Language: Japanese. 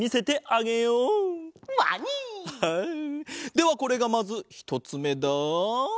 ではこれがまずひとつめだ。